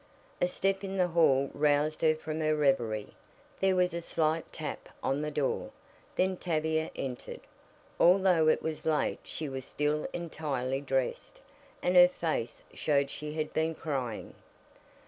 A step in the hall roused her from her reverie. There was a slight tap on the door, then Tavia entered. Although it was late she was still entirely dressed, and her face showed she had been crying.